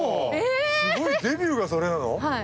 すごいデビューがそれなの？